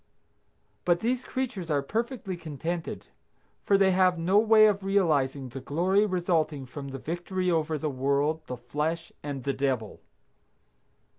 But these creatures are perfectly contented, for they have no way of realizing the glory resulting from the victory over the world, the flesh and the Devil.